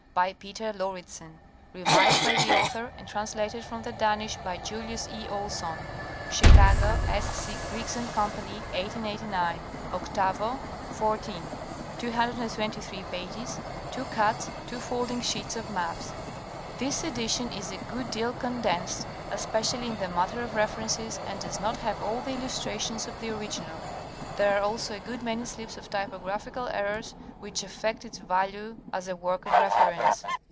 By Peter Lauridsen (ete.). Revised by the author and translated from the Danish by Julius E. Olson (ete.). Chicago, 8. C. Griggs & Company, 1889. 8° xvi, 223 pp., 2 cuts, 2 folding sheets of maps. This edition is a good deai condensed, especially in the matter of references, and does not have all the illustrations of the original. There are also a good many slips or typographical errors, which affect its value as a work of reference.